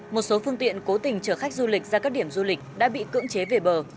một số phương tiện cố tình chở khách du lịch ra các điểm du lịch đã bị cưỡng chế về bờ